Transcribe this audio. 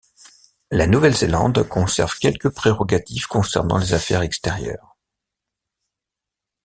La Nouvelle-Zélande conserve quelques prérogatives concernant les affaires extérieures.